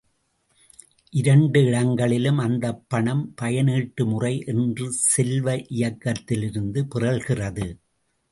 இரண்டு இடங்களிலும் அந்தப்பணம் பயனீட்டு முறை என்ற செல்வ இயக்கத்திலிருந்து பிறழ்கிறது.